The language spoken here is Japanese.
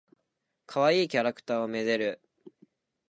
かわいいキャラクターを愛でる。